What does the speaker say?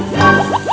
prinses ini ya